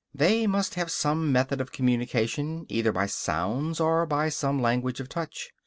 They must have some method of communication, either by sounds or by some language of touch.